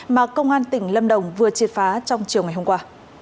mà công an tỉnh lâm đồng vừa triệt phá trong chiều ngày hôm qua